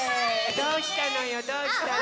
どうしたのよどうしたの？